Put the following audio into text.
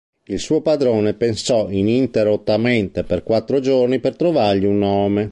Il suo padrone pensò ininterrottamente per quattro giorni per trovargli un nome.